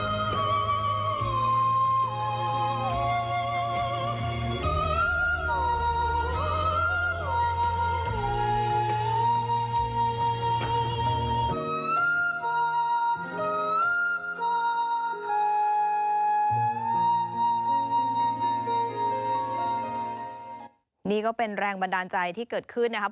สวัสดีครับสวัสดีครับ